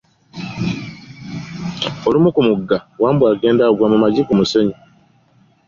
Olumu ku mugga, Wambwa agenda agwa ku maggi mu mussenyu.